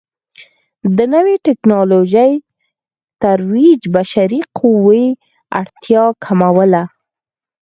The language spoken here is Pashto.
د نوې ټکنالوژۍ ترویج بشري قوې اړتیا کموله.